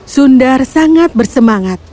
sundar sangat bersemangat